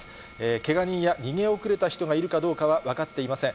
けが人や逃げ遅れた人がいるかどうかは分かっていません。